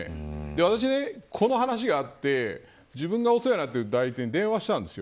私、この話があって自分がお世話になっている代理店に電話したんです。